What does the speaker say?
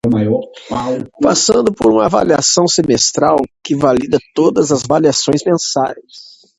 Passando por uma avaliação semestral, que valida todas as avaliações mensais